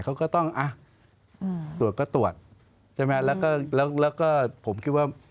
เขาก็ต้องตรวจก็ตรวจแล้วก็ผมคิดว่า